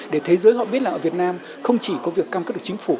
để thế giới họ biết là ở việt nam không chỉ có việc cam kết được chính phủ